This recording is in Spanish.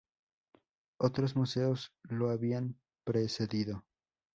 Otros museos lo habían precedido.